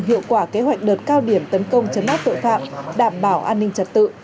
hiệu quả kế hoạch đợt cao điểm tấn công chấn áp tội phạm đảm bảo an ninh trật tự